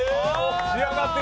仕上がってる！